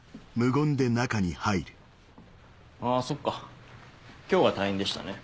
あぁそっか今日が退院でしたね。